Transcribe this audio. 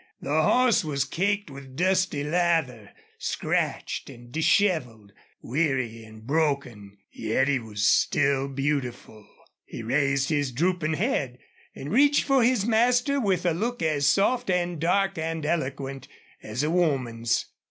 The horse was caked with dusty lather, scratched and disheveled, weary and broken, yet he was still beautiful. He raised his drooping head and reached for his master with a look as soft and dark and eloquent as a woman's.